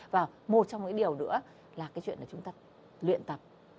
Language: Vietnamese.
và một trong những điều nữa là cái chuyện là chúng ta luyện tập